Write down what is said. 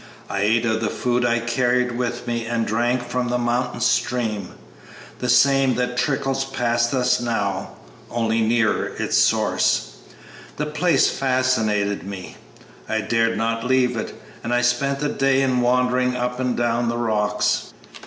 I ate of the food I carried with me and drank from a mountain stream the same that trickles past us now, only nearer its source. The place fascinated me; I dared not leave it, and I spent the day in wandering up and down the rocks.